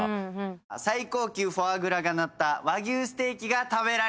最高級フォアグラがのった和牛ステーキが食べられます。